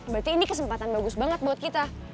berarti ini kesempatan bagus banget buat kita